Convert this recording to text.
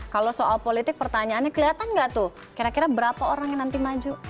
kalau soal politik pertanyaannya kelihatan nggak tuh kira kira berapa orang yang nanti maju